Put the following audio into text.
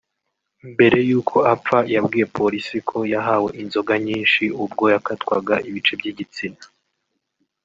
Mbere y’uko apfa yabwiye polisi ko yahawe inzoga nyinshi ubwo yakatwaga ibice by’igitsina